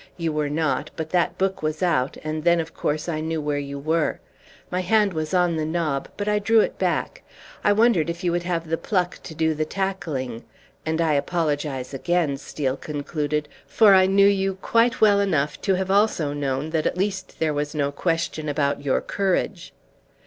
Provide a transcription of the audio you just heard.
You were not, but that book was out; and then, of course, I knew where you were. My hand was on the knob, but I drew it back. I wondered if you would have the pluck to do the tackling! And I apologize again," Steel concluded, "for I knew you quite well enough to have also known that at least there was no question about your courage."